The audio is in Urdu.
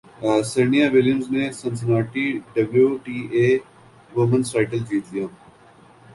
سیرنیا ولیمز نے Cincinnati W T A women's title جیت لیا